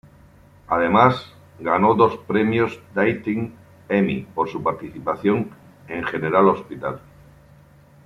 Además ganó dos Premios Daytime Emmy por su participación en "General Hospital".